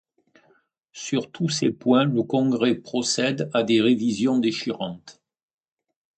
Sur tous ces points, le Congrès procède à des révisions déchirantes.